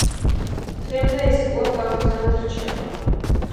დღემდე ეს კვლავ გამოცანად რჩება.